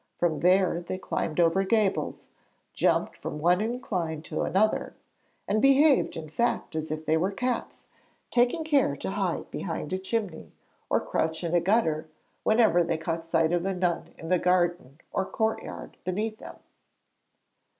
From there they climbed over gables, jumped from one incline to another, and behaved in fact as if they were cats, taking care to hide behind a chimney or crouch in a gutter whenever they caught sight of a nun in the garden or courtyard beneath them.